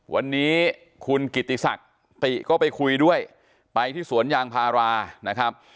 วันนี้คุณกิติศักดิ์ติก็ไปคุยด้วยไปที่สวนยางพารานะครับ